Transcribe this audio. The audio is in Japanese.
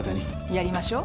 やりましょう。